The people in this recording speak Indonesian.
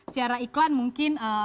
secara iklan mungkin